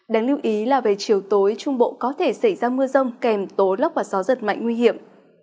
đáng lưu ý là về chiều tối trung bộ có thể xảy ra mưa rông kèm tố lốc và gió giật mạnh nguy hiểm